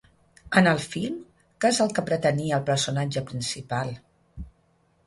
En el film, què és el que pretenia el personatge principal?